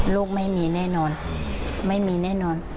ลูกไม่มีแน่นอนไม่มีแน่นอน